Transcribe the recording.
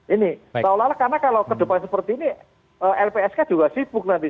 ini seolah olah karena kalau ke depan seperti ini lpsk juga sibuk nanti